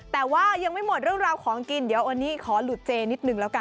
แต่ว่ายังไม่หมดเรื่องราวของกินเดี๋ยววันนี้ขอหลุดเจนิดหนึ่งแล้วกัน